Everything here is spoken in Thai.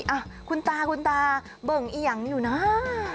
อ่ะคุณตาคุณตาเบิ่งเอี่ยงอยู่นะ